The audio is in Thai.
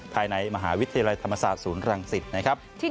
ภายในมหาวิทยาลัยธรรมศาสตร์ศูนย์รังสิตนะครับ